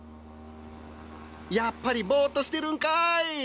やっぱりぼーっとしてるんかい！